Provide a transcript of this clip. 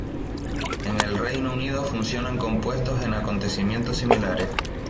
En el Reino Unido funcionan con puestos en acontecimientos similares.